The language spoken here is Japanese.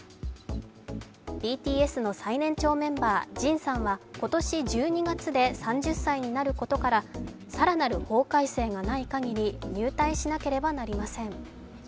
ＢＴＳの最年長メンバー、ＪＩＮさんは今年１２月で３０歳になることから更なる法改正がない限り入隊しなければなりません。